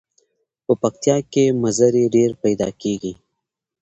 په پکتیا کې مزري ډیر پیداکیږي.